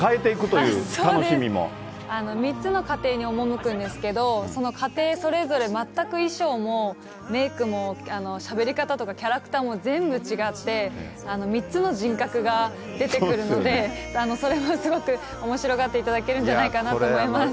そうです、３つの家庭に赴くんですけれども、その家庭それぞれ、全く衣装もメークもしゃべり方とか、キャラクターも全部違って、３つの人格が出てくるので、それもすごくおもしろがっていただけるんじゃないかと思います。